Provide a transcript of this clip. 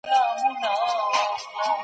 د دولتونو ترمنځ په اړیکو کي شفافیت مهم دی.